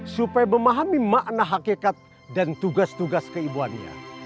supaya memahami makna hakikat dan tugas tugas keibuannya